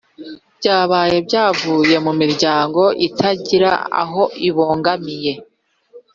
byabaye byavuye mu miryango itagira aho ibogamiye